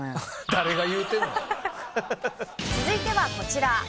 続いてはこちら。